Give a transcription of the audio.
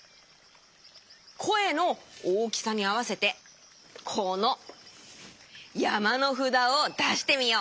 こえの大きさにあわせてこのやまのふだをだしてみよう。